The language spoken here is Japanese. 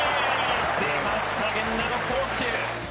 出ました、源田の好守。